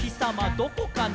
どこかな？」